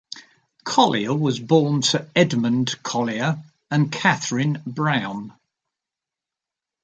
Collier was born to Edmund Collier and Katherine Brown.